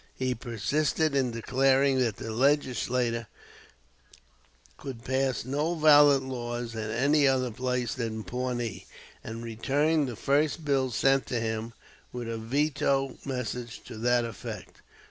He persisted in declaring that the Legislature could pass no valid laws at any other place than Pawnee, and returned the first bill sent him with a veto message to that effect.